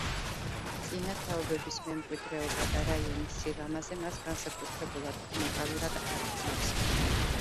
წინა თაობების მემკვიდრეობა და რაიონის სილამაზე მას განსაკუთრებულად უნიკალურად აქცევს.